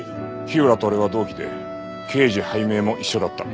火浦と俺は同期で刑事拝命も一緒だった。